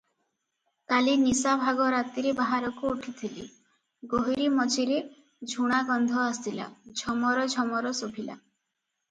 କାଲି ନିଶାଭାଗ ରାତିରେ ବାହାରକୁ ଉଠିଥିଲି, ଗୋହିରୀ ମଝିରେ ଝୁଣାଗନ୍ଧ ଆସିଲା, ଝମର ଝମର ଶୁଭିଲା ।